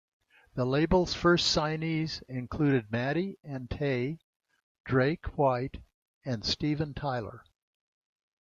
The label's first signees include Maddie and Tae, Drake White, and Steven Tyler.